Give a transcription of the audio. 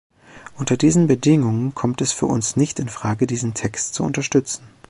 Unter diesen Bedingungen kommt es für uns nicht in Frage, diesen Text zu unterstützen.